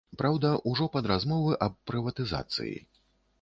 Праўда, ужо пад размовы аб прыватызацыі.